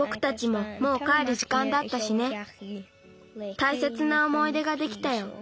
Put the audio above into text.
たいせつなおもいでができたよ。